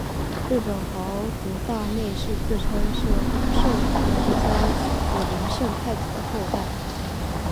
日本豪族大内氏自称是圣王的第三子琳圣太子的后代。